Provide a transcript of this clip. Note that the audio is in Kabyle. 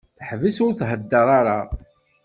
Teḥbes ur theddeṛ ara.